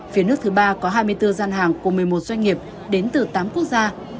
phía nước thứ ba có hai mươi bốn gian hàng của một mươi một doanh nghiệp đến từ tám quốc gia